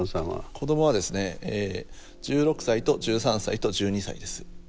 子どもはですね１６歳と１３歳と１２歳です。